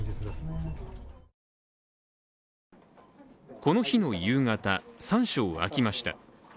この日の夕方、３床空きました。